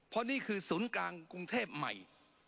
เพราะนี่คือศูนย์กลางกรุงเทพใหม่